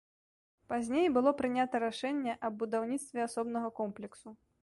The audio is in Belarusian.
Пазней было прынята рашэнне аб будаўніцтве асобнага комплексу.